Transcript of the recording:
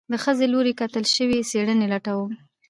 د ښځې لوري ليکل شوي څېړنې لټوم